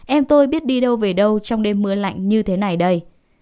em tôi biết đi đâu về đâu trong đêm mưa lạnh như thế này đây